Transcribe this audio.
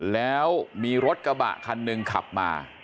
แล้วมีรถกระบะคันหนึ่งขับมา